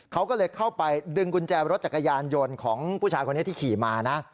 เขาก็เลยเข้าไปดึงกุญแจรถจักรยานยนต์ของผู้ชายคนนี้ที่ขี่มานะ